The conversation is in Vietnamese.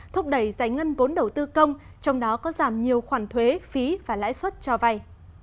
thúc đẩy giải ngân vốn đầu tư công trong đó có giảm nhiều khoản thuế phí và lãi suất cho vay